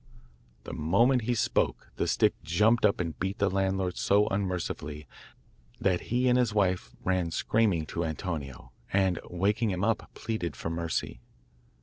The moment he spoke the stick jumped up and beat the landlord so unmercifully that he and his wife ran screaming to Antonio, and, waking him up, pleaded for mercy.